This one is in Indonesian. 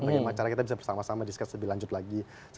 bagaimana cara kita bisa bersama sama diskusi lebih lanjut lagi